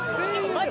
マジ？